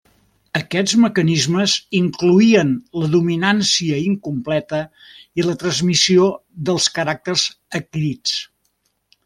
Aquests mecanismes incloïen la dominància incompleta i la transmissió dels caràcters adquirits.